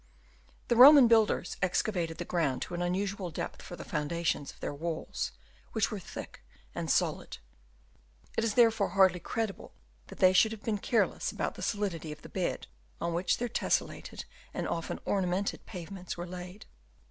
The Roman builders excavated the ground to an unusual depth for the foundations of their walls, which were thick and solid ; it is therefore hardly credible that they should have been careless about the solidity of the bed on which their tesselated and often ornamented pavements were laid.